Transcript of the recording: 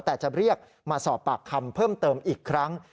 แต่จะเรียกมาสอบปากคำเพิ่มเติมอีกครั้ง